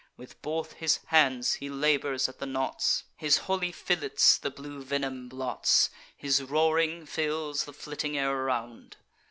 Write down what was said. With both his hands he labours at the knots; His holy fillets the blue venom blots; His roaring fills the flitting air around.